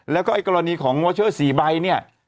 แล้วก็ไอ้กรณีของวอเชอร์๔ใบเนี่ย